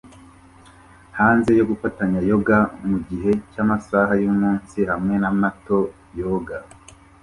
Hanze yo gufatanya yoga mugihe cyamasaha yumunsi hamwe na mato yoga